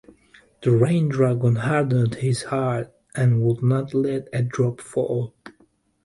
The rain-dragon hardened his hart and would not let a drop fall.